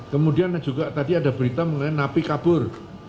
kemudian juga tadi ada berita mengenai napi kabur